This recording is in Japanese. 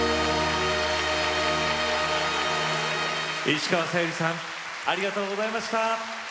石川さゆりさんありがとうございました。